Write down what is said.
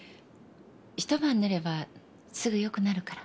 一晩寝ればすぐよくなるから。